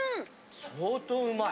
相当うまい。